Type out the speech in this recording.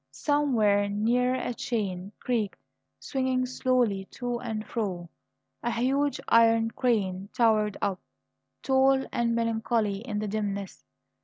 Somewhere near a chain creaked, swinging slowly to and fro. A huge iron crane towered up, tall and melancholy in the dimness.